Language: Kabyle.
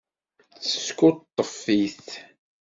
Teskuṭṭef-it.